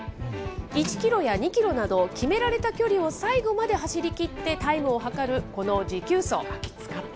１キロや２キロなど、決められた距離を最後まで走りきって、タイムを測るこの持久走。